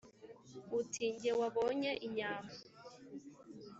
uti « jye wabonye inyambo,